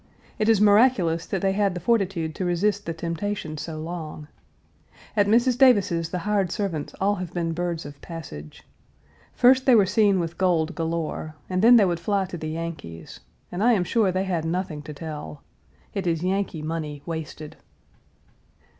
It is miraculous that they had the fortitude to resist the temptation so long. At Mrs. Davis's the hired servants all have been birds of passage. First they were seen with gold galore, and then they would fly to the Yankees, and I am sure they had nothing to tell. It is Yankee money wasted. 1.